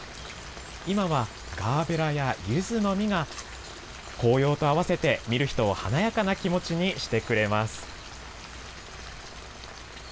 今はガーベラやゆずの実が紅葉と合わせて見る人を華やかな気持ちにしてくれます。